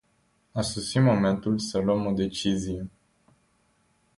A sosit momentul să luăm o decizie.